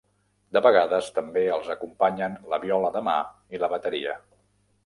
De vegades també els acompanyen la viola de mà i la bateria.